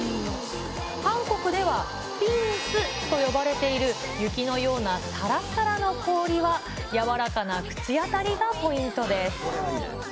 韓国では、ピンスと呼ばれている雪のようなさらさらの氷は柔らかな口当たりがポイントです。